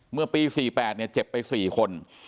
เมื่อปี๔๘เจ็บไป๔คน